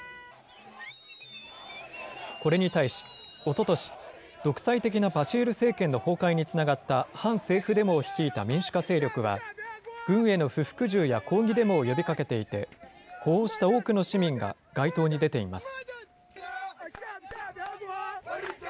これに対し、おととし、独裁的なバシール政権の崩壊につながった反政府デモを率いた民主化勢力は、軍への不服従や抗議デモを呼びかけていて、呼応した多くの市民が街頭に出ています。